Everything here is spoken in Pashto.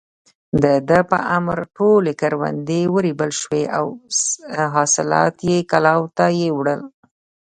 د ده په امر ټولې کروندې ورېبل شوې او حاصلات يې کلاوو ته يووړل.